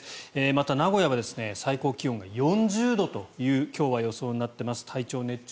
また、名古屋は最高気温が４０度という今日は、予想になっています。